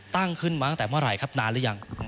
ตั้งขึ้นมาตั้งแต่เมื่อไหร่ครับนานหรือยัง